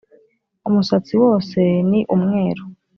Umusatsi wose ni umweru,